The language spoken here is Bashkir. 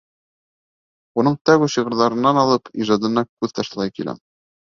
Уның тәүге шиғырҙарынан алып, ижадына күҙ ташлай киләм.